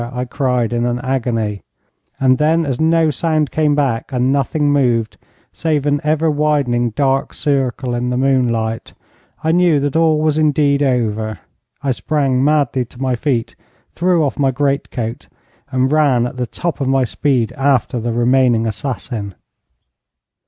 I cried, in an agony; and then as no sound came back and nothing moved, save an ever widening dark circle in the moonlight, I knew that all was indeed over. I sprang madly to my feet, threw off my great coat, and ran at the top of my speed after the remaining assassin.